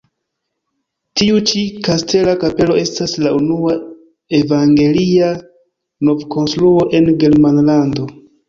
Tiu ĉi kastela kapelo estas la unua evangelia novkonstruo en Germanlando.